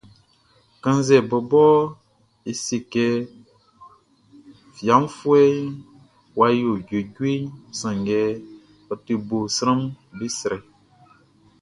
Kannzɛ bɔbɔ e se kɛ fiafuɛʼn wʼa yo juejueʼn, sanngɛ ɔ te bo sranʼm be srɛ.